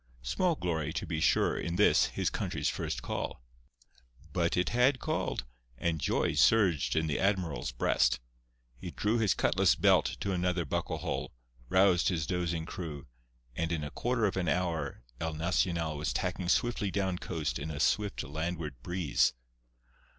Small glory, to be sure, in this, his country's first call. But it had called, and joy surged in the admiral's breast. He drew his cutlass belt to another buckle hole, roused his dozing crew, and in a quarter of an hour El Nacional was tacking swiftly down coast in a stiff landward breeze.